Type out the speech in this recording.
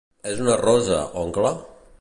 És una rosa, oncle?